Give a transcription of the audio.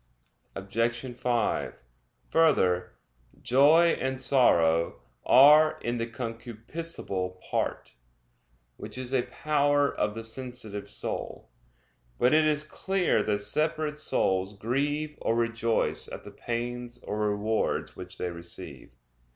Obj. 5: Further, joy and sorrow are in the concupiscible part, which is a power of the sensitive soul. But it is clear that separate souls grieve or rejoice at the pains or rewards which they receive.